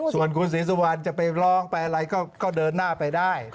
ส่วนคุณศรีสุวรรณจะไปร้องไปอะไรก็เดินหน้าไปได้